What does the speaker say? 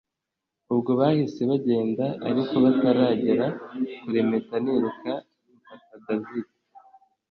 ubwo bahise bagenda ariko bataragera kure mpita niruka mfata david